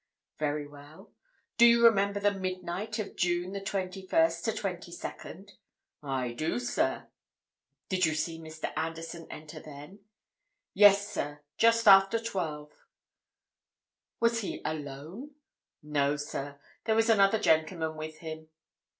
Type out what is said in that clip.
"Very well. Do you remember the midnight of June 21st 22nd?" "I do, sir." "Did you see Mr. Anderson enter then?" "Yes, sir, just after twelve." "Was he alone?" "No, sir; there was another gentleman with him."